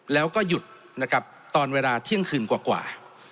แล้วก็หยุดนะครับตอนเวลาเที่ยงคืนกว่า